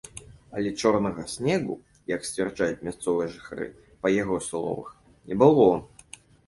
Але чорнага снегу, як сцвярджаюць мясцовыя жыхары, па яго словах, не было.